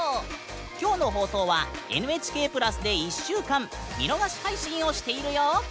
きょうの放送は「ＮＨＫプラス」で１週間見逃し配信をしているよ！